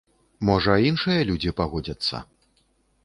Можа, іншыя людзі пагодзяцца.